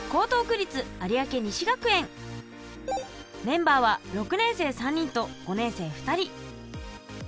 メンバーは６年生３人と５年生２人。